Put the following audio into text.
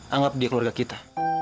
anggap dia keluarga kita